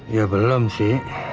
ya belum sih